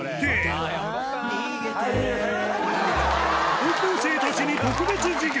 高校生たちに特別授業。